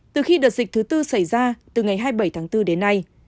từ khi đợt dịch thứ tư xảy ra từ ngày hai mươi bảy tháng bốn đến nay